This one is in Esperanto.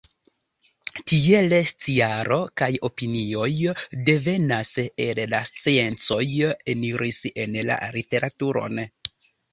Tiele sciaro kaj opinioj devenaj el la sciencoj eniris en la literaturon.